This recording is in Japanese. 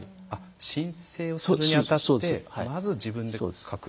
申請するにあたってまず、自分で書く。